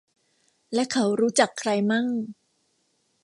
และเขารู้จักใครมั่ง